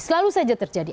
selalu saja terjadi